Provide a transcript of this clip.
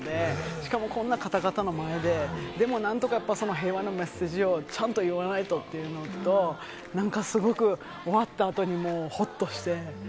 しかも、こんな方々の前ででもなんとか平和のメッセージをちゃんと言わないとというのと、なんかすごく終わった後にもホッとして。